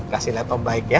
kasih lihat yang baik ya